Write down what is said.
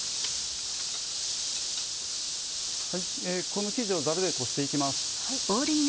この生地をザルでこして行きます。